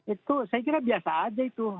itu saya kira biasa aja itu